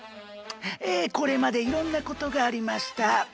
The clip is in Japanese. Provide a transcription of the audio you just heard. えこれまでいろんなことがありました。